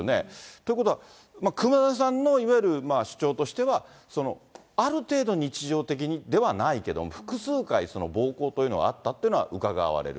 ということは、熊田さんのいわゆる主張としては、ある程度日常的にではないけども、複数回、暴行というのはあったというのはうかがわれる。